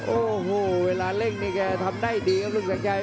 โอ้โหเวลาเร่งนี่แกทำได้ดีครับลุงสัญชัย